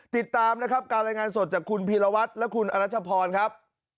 ติดตามนะครับการรายงานสดจากคุณพีรวัตรและคุณอรัชพรครับ